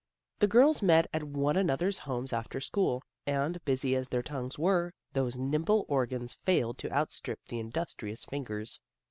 The girls met at one another's homes after school, and, busy as their tongues were, those nimble organs failed to outstrip the in dustrious fingers.